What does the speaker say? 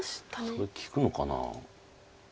それ利くのかな。